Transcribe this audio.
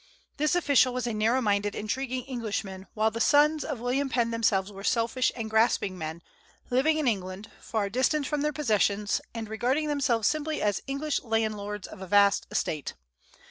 This official was a narrow minded, intriguing Englishman, while the sons of William Penn themselves were selfish and grasping men, living in England, far distant from their possessions, and regarding themselves simply as English landlords of a vast estate.